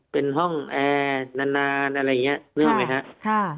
เป็นห้องแอร์นานอะไรอย่างนี้นึกออกไหมครับ